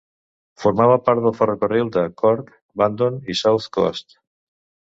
Formava part del ferrocarril de Cork, Bandon i South Coast.